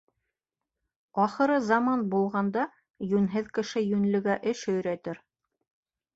Ахырызаман булғанда йүнһеҙ кеше йүнлегә эш өйрәтер.